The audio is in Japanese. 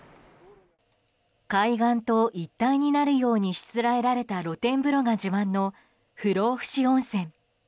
海岸と一体になるようにしつらえられた露天風呂が自慢の不老ふ死温泉。